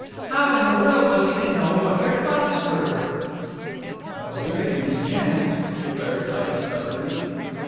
How in the world was he to know what your thoughts were?" "I was giving him his chance," declared Cleigh, stubbornly.